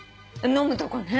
飲むとこね？